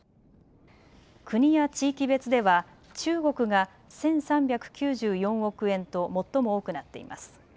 国や地域別では中国が１３９４億円と最も多くなっています。